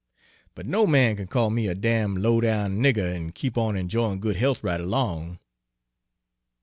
But no man kin call me a damn' low down nigger and keep on enjoyin' good health right along."